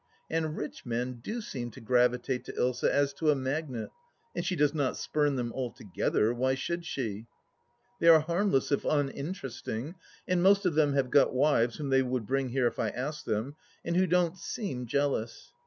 And rich men do seem to gravitate to Ilsa as to a magnet, and she does not spurn them, altogether ; why should she ? They are harmless if uninteresting, and most of them have got wives whom they would bring here if I asked them, and who don't seem jealous.